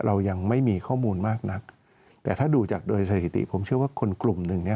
เรายังไม่มีข้อมูลมากนักแต่ถ้าดูจากโดยสถิติผมเชื่อว่าคนกลุ่มหนึ่งเนี้ย